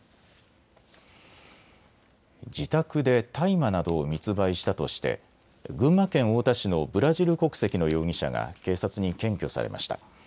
自宅で大麻などを密売したとして群馬県太田市のブラジル国籍の容疑者が警察に検挙されました。